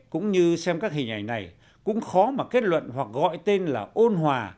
cũng như xem các hình ảnh này cũng khó mà kết luận hoặc gọi tên là ôn hòa